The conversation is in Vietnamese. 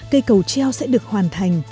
cây cầu treo sẽ được hoàn thiện